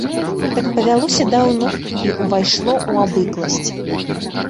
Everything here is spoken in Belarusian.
Так павялося даўно і ўвайшло ў абыкласць.